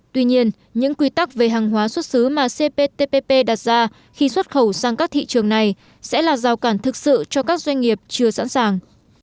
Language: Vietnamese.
tuy nhiên những quy tắc về hàng hóa xuất xứ mà cptpp đặt ra khi xuất khẩu sang các thị trường này sẽ là rào cản thực sự cho các doanh nghiệp chưa sẵn sàng